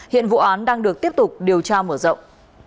hiện vụ án đang được tiếp tục điều tra mở rộng